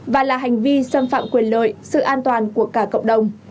và là hành vi xâm phạm quyền lợi sự an toàn của cả cộng đồng